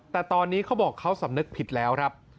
แต่ตอนนี้เขาบอกเขาสำนึกผิดแล้วครับ